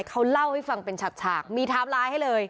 เขาเล่าให้ฟังเป็นฉากมีไทม์ไลน์ให้เลย